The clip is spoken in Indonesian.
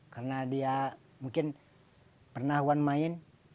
karena dia mungkin pernah wan main